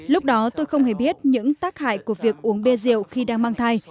lúc đó tôi không hề biết những tác hại của việc uống bia rượu khi đang mang thai